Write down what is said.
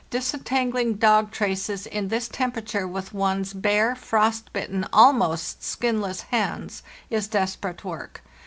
Disentangling dog traces in this temperature with one's bare, frost bitten, almost skinless hands is desperate work.